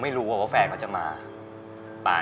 ชื่อฟอยแต่ไม่ใช่แฟง